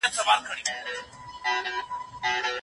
ډیپلوماټیک فعالیتونه د هیوادونو ترمنځ د جګړي مخه نیسي.